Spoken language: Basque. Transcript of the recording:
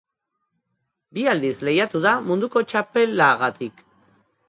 Bi aldiz lehiatu da munduko txapelagaitik.